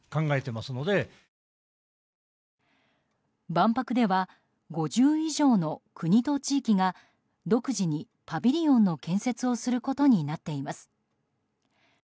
万博では５０以上の国と地域が独自にパビリオンの建設をすることになっています。